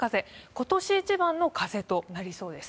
今年一番の風となりそうです。